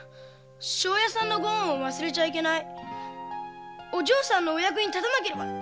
「庄屋さんのご恩を忘れちゃいけないお嬢さんのお役に立たなければ」